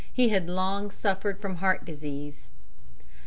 He had long suffered from heart disease.